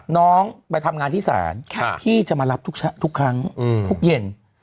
น้องไปทำงานที่ศาลพี่จะมารับทุกครั้งทุกเย็น